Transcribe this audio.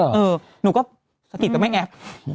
อ๋อเหรอเออหนูก็สะกิดแต่ไม่แอบ